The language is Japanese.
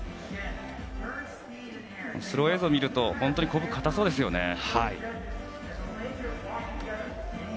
スロー映像を見ると本当にコブが固そうですよね。